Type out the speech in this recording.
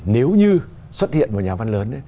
nếu như xuất hiện một nhà văn lớn